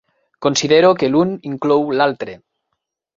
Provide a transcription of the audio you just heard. Considero que l'un inclou l'altre.